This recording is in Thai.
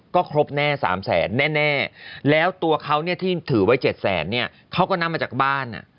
ก็ครบแน่๓แสนแน่แล้วตัวเขาเนี่ยที่ถือไว้๗แสนเนี่ยเขาก็นำมาจากบ้าน